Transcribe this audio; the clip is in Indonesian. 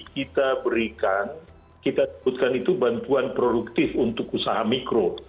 kita berikan kita sebutkan itu bantuan produktif untuk usaha mikro